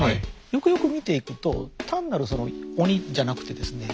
よくよく見ていくと単なるその鬼じゃなくてですね